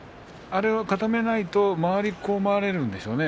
あれは固めないと回り込まれるんでしょうね。